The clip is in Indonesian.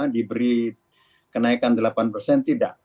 diberi kenaikan delapan persen tidak